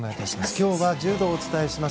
今日は柔道をお伝えします。